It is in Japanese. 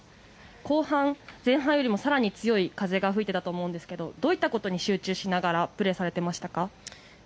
後半、前半よりも更に強い風が吹いていたと思いますがどういったことに集中しながらプレーされていましたか？